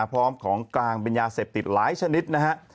ของกลางเป็นยาเสพติดหลายชนิดนะฮะ